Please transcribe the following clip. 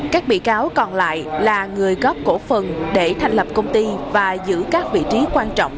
các bị cáo còn lại là người góp cổ phần để thành lập công ty và giữ các vị trí quan trọng